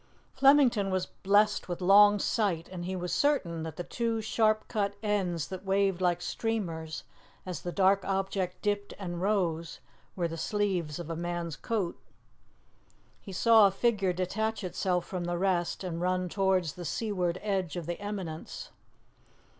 Flemington was blessed with long sight, and he was certain that the two sharp cut ends that waved like streamers as the dark object dipped and rose, were the sleeves of a man's coat. He saw a figure detach itself from the rest and run towards the seaward edge of the eminence.